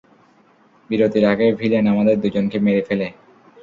বিরতির আগে ভিলেন আমাদের দুজনকে মেরে ফেলে।